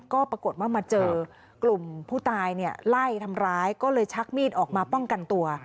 ก็ปรากฏว่ามาเจอกลุ่มผู้ตายเนี่ยไล่ทำร้ายก็เลยชักมีดออกมาป้องกันตัว